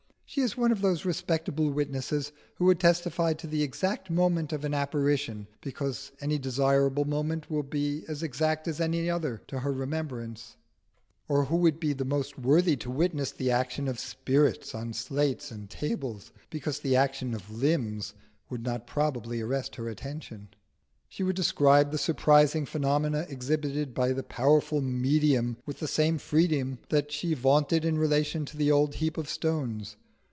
She is one of those respectable witnesses who would testify to the exact moment of an apparition, because any desirable moment will be as exact as another to her remembrance; or who would be the most worthy to witness the action of spirits on slates and tables because the action of limbs would not probably arrest her attention. She would describe the surprising phenomena exhibited by the powerful Medium with the same freedom that she vaunted in relation to the old heap of stones.